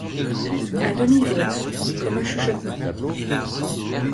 À demi-voix, comme un chuchotement.